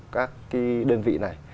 các cái đơn vị này